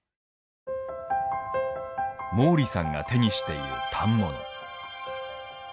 毛利さんが手にしている反物。